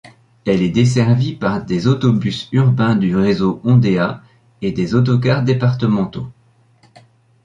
Elle est desservie par des autobus urbains du réseau Ondéa et des autocars départementaux.